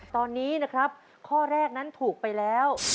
ตอนนี้นะครับข้อแรกนั้นถูกไปแล้ว